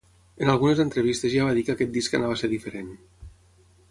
En algunes entrevistes ja va dir que aquest disc anava a ser diferent.